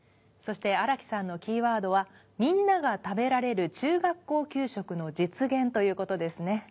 そして荒木さんのキーワードは「みんなが食べられる中学校給食の実現」という事ですね。